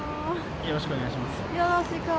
よろしくお願いします。